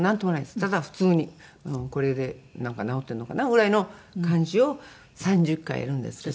ただ普通にこれでなんか治ってるのかな？ぐらいの感じを３０回やるんですけど。